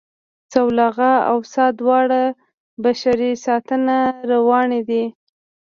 سلواغه او څا دواړه بشري لاسته راوړنې دي